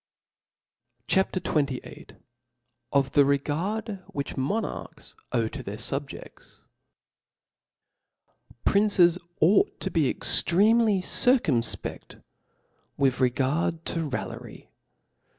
C.HA.P. XXVIII. .. Of the Regard iz kiph Monarchs owe to theif SubjeSis. PRINCES ought to be extremely circumfpe^ with regard to raillery.